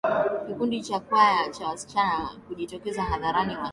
kikundi cha kwaya cha wasichana kujitiokeza hadharani wakiwa